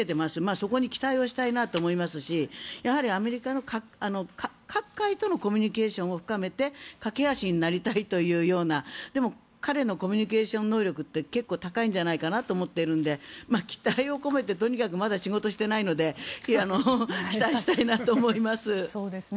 そこに期待はしたいなと思いますしアメリカの各界とのコミュニケーションを深めて懸け橋になりたいというようなでも彼のコミュニケーション能力って結構高いんじゃないかなと思っているので期待を込めてとにかくまだ仕事をしていないので期待したいと思います。